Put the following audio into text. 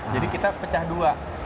jadi kita pecah dua